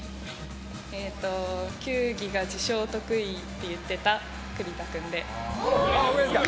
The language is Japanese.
球技が自称得意って言ってた栗田君で。